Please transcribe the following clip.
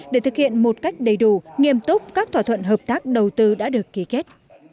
để thực hiện một cách đầy đủ nghiêm túc các thỏa thuận hợp tác đầu tư đã được ký kết